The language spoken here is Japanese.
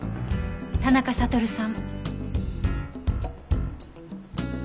田中悟さん。